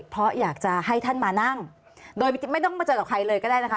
เพราะอยากจะให้ท่านมานั่งโดยไม่ต้องมาเจอกับใครเลยก็ได้นะคะ